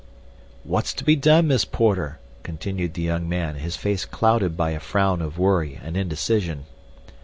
"What's to be done, Miss Porter?" continued the young man, his face clouded by a frown of worry and indecision.